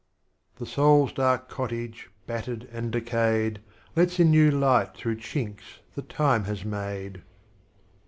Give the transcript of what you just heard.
'T'he soul's dark cottage, battered and decayed, Lets in new light through chinks that time has made.